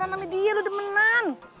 nama dia lo demenan